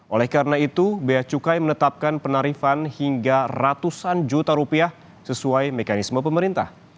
oleh karena itu bea cukai menetapkan penarifan hingga ratusan juta rupiah sesuai mekanisme pemerintah